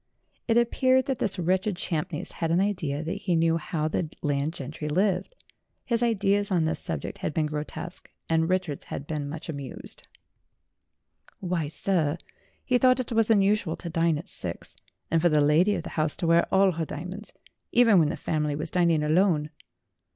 It appeared that this wretched Champneys had an idea that he knew how the landed gentry lived. His ideas on this subject had been grotesque, and Richards had been much amused. 158 STORIES WITHOUT TEARS "Why, sir, he thought it was usual to dine at six, and for the lady of the house to wear all her diamonds, even when the family was dining alone."